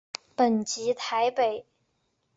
本籍台北。